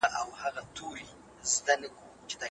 زه یې وینمه که خاص دي او که عام دي